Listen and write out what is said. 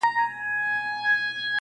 کله ورور کله مو زوی راته تربوری دی-